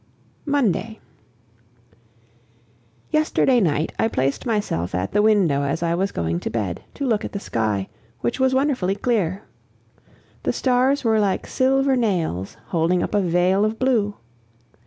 Monday. Yesterday night I placed myself at the window as I was going to bed, to look at the sky, which was wonderfully clear. The stars were like silver nails, holding up a veil of blue.